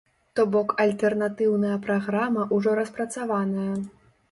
То бок, альтэрнатыўная праграма ўжо распрацаваная.